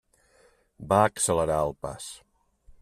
Va accelerar el pas.